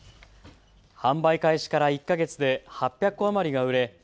販売開始から１か月で８００個余りが売れ